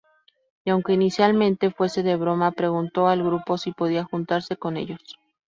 Y aunque inicialmente fuese de broma, preguntó al grupo si podía juntarse con ellos.